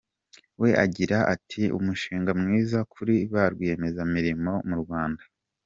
We agiraga ati «Umushinga mwiza kuri ba Rwiyemezamirimo bo mu Rwanda.